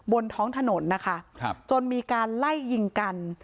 บนท้องถนนนะคะจนมีการไล่ยิงกัน